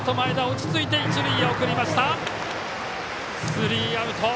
スリーアウト。